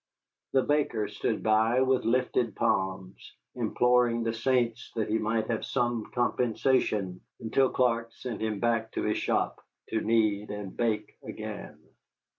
The baker stood by with lifted palms, imploring the saints that he might have some compensation, until Clark sent him back to his shop to knead and bake again.